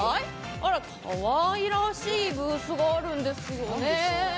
あらっ、かわいらしいブースがあるんですよね。